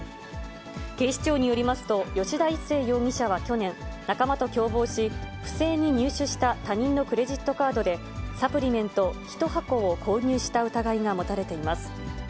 警視庁によりますと、吉田一誠容疑者は去年、仲間と共謀し、不正に入手した他人のクレジットカードで、サプリメント１箱を購入した疑いが持たれています。